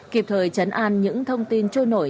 kịp thời chấn an những thông tin trôi nổi